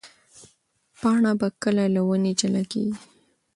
پاڼه به کله له ونې جلا کېږي؟